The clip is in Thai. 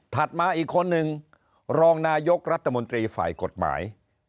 มาอีกคนนึงรองนายกรัฐมนตรีฝ่ายกฎหมาย